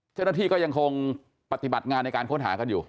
เจ้าหน้าที่ก็ยังคงปฏิบัติงานในการค้นหากันอยู่